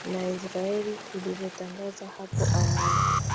na israel ilivyotangaza hapo awali